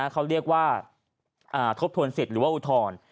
เขาเรียกว่าทบทวนสิทธิ์หรือว่าอุทธรณ์